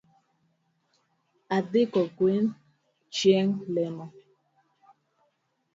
Adhi kogwen chieng’ lemo